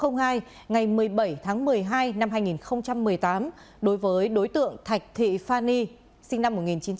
ngày một mươi bảy tháng một mươi hai năm hai nghìn một mươi tám đối với đối tượng thạch thị phan y sinh năm một nghìn chín trăm tám mươi